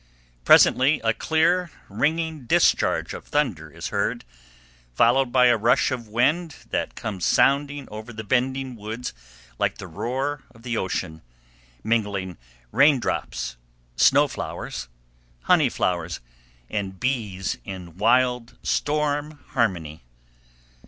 Presently a clear, ringing discharge of thunder is heard, followed by a rush of wind that comes sounding over the bending woods like the roar of the ocean, mingling raindrops, snow flowers, honey flowers, and bees in wild storm harmony.